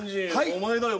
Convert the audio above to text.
お前だよ